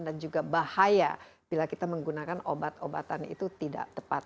dan juga bahaya bila kita menggunakan obat obatan itu tidak tepat